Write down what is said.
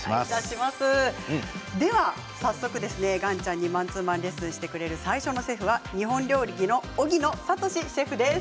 では早速、岩ちゃんにマンツーマンレッスンしてくれる最初のシェフは日本料理の荻野聡士シェフです。